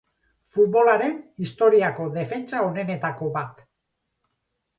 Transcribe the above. Futbolaren historiako defentsa onenetako bat.